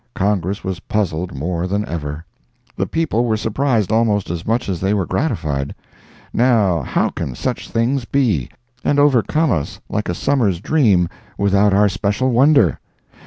Congress was puzzled more than ever. The people were surprised almost as much as they were gratified. Now, how can such things be, and overcome us like a summer's dream, without our special wonder?